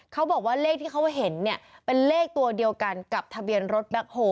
เขาบอกว่าเลขที่เขาเห็นเนี่ยเป็นเลขตัวเดียวกันกับทะเบียนรถแบ็คโฮ